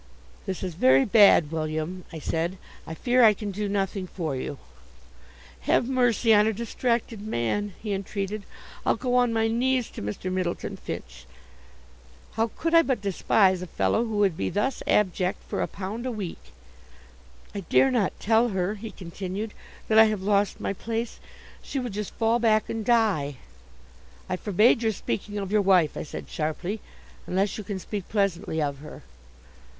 "This is very bad, William," I said. "I fear I can do nothing for you." "Have mercy on a distracted man!" he entreated. "I'll go on my knees to Mr. Myddleton Finch." How could I but despise a fellow who would be thus abject for a pound a week? "I dare not tell her," he continued, "that I have lost my place. She would just fall back and die." "I forbade your speaking of your wife," I said, sharply, "unless you can speak pleasantly of her."